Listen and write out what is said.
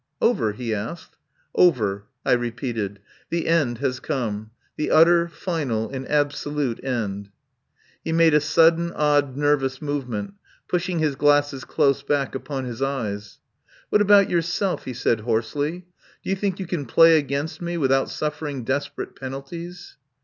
"Over?" he asked. "Over," I repeated. "The end has come — the utter, final and absolute end." He made a sudden, odd, nervous move ment, pushing his glasses close back upon his eyes. "What about yourself?" he said hoarsely. "Do you think you can play against me with out suffering desperate penalties?"